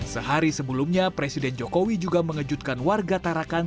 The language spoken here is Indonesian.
sehari sebelumnya presiden jokowi juga mengejutkan warga tarakan